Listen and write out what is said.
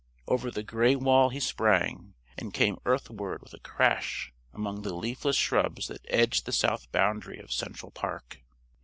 Over the gray wall he sprang, and came earthward with a crash among the leafless shrubs that edged the south boundary of Central Park.